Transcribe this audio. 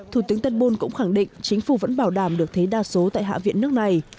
thủ tướng tehbul cũng khẳng định chính phủ vẫn bảo đảm được thế đa số tại hạ viện nước này